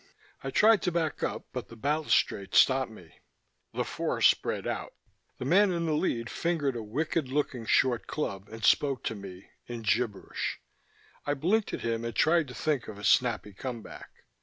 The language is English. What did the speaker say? I tried to back up but the balustrade stopped me. The four spread out. The man in the lead fingered a wicked looking short club and spoke to me in gibberish. I blinked at him and tried to think of a snappy comeback.